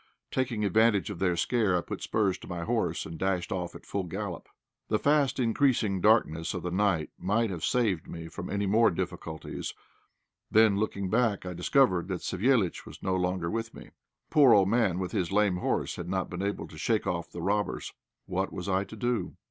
Taking advantage of their scare, I put spurs to my horse, and dashed off at full gallop. The fast increasing darkness of the night might have saved me from any more difficulties, when, looking back, I discovered that Savéliitch was no longer with me. The poor old man with his lame horse had not been able to shake off the robbers. What was I to do?